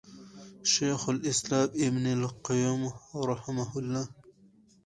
شيخ الإسلام ابن القيّم رحمه الله